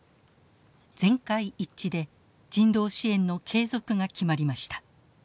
全会一致で人道支援の継続が決まりました。